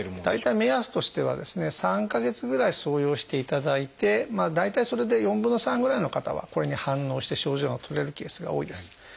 大体目安としてはですね３か月ぐらい装用していただいて大体それで４分の３ぐらいの方はこれに反応して症状が取れるケースが多いです。